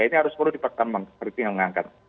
ini harus perlu dipertemankan